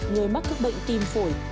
người mắc các bệnh tim